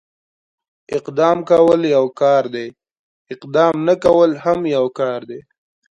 اقدام کول يو کار دی، اقدام نه کول هم يو کار دی.